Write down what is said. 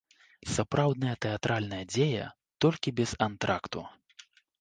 Сапраўдная тэатральная дзея, толькі без антракту.